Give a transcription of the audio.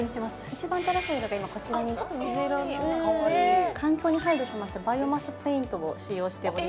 一番新しいのが今こちらにちょっと水色の環境に配慮しましたバイオマスペイントを使用しております